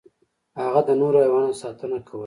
هغه د نورو حیواناتو ساتنه کوله.